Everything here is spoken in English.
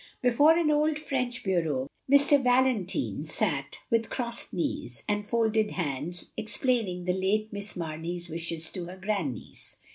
Before an old French bureau, Mr. Valentine sat, with crossed knees, and folded hands, ex plaining the late Miss Mamey's wishes to her grand niece.